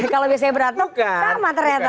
kalau biasa beratuk sama ternyata